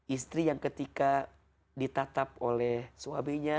istri yang ketika ditatap oleh suaminya